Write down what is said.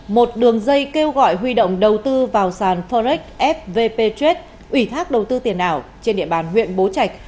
một đường dây kêu gọi huy động đầu tư vào sàn forex fvp trach ủy thác đầu tư tiền ảo trên địa bàn huyện bố trạch